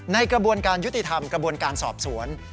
กระบวนการยุติธรรมกระบวนการสอบสวน